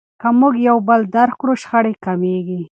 که موږ یو بل درک کړو شخړې کمیږي.